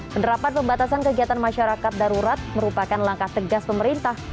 penerapan pembatasan kegiatan masyarakat darurat merupakan langkah tegas pemerintah